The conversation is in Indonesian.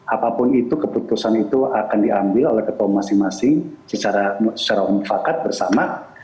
apapun itu keputusan itu akan diambil oleh ketua masing masing secara mufakat bersama